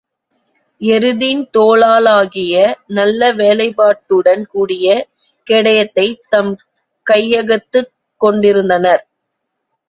எருதின் தோலாலாகிய நல்ல வேலைப்பாட்டுடன் கூடிய கேடயத்தைத் தம் கையகத்துக் கொண்டிருந்தனர்.